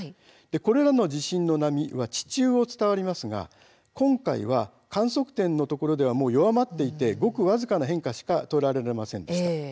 これらの地震波は地中を伝わるんですが今回は観測点のところでは弱まっていてごく僅かな変化しか捉えられなかったんです。